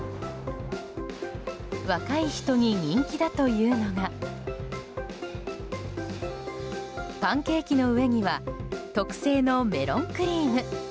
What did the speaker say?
若い人に人気だというのがパンケーキの上には特製のメロンクリーム。